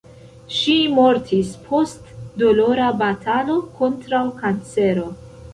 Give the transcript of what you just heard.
Ŝi mortis post dolora batalo kontraŭ kancero.